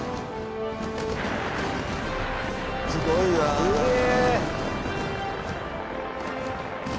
すごいわ。すげ。